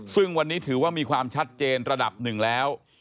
ซึ่งวันนี้ถือว่ามีความชัดเจนระดับหนึ่งแล้ว